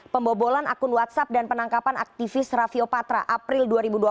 pembobolan akun whatsapp dan penangkapan aktivis rafiopatra april dua ribu dua puluh